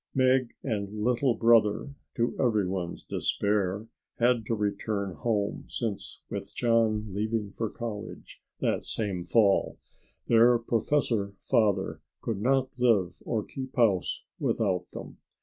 Meg and "Little Brother" to everybody's despair had to return home, since with John leaving for college, that same fall, their professor father could not live or keep house without them.